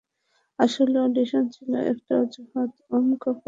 আসলে অডিশন ছিল একটা অজুহাত, ওম কাপুর এর সাথে দেখা করার।